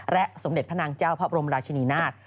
และสำเด็จพระนางเจ้าหัวบรมราชนีนาจ